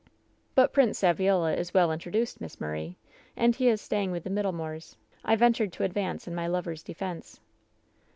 ^But Prince Saviola is well introduced. Miss Mur ray, and he is staying with the Middlemoors,' I ventured to' advance in my lover's defense.